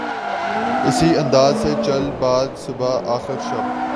اسی انداز سے چل باد صبا آخر شب